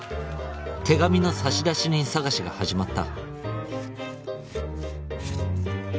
「手紙の差出人探しが始まった」